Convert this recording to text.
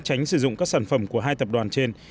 tránh sử dụng các sản phẩm của hai tập đoàn trên